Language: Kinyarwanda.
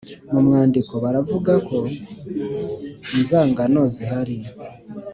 Mu mwandiko baravuga ko inzangano zihari